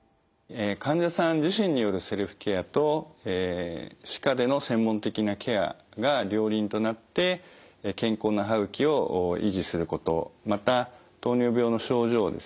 患者さん自身によるセルフケアと歯科での専門的なケアが両輪となって健康な歯ぐきを維持することまた糖尿病の症状をですね